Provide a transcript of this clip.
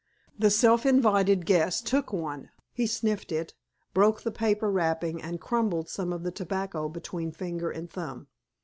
The self invited guest took one. He sniffed it, broke the paper wrapping, and crumbled some of the tobacco between finger and thumb.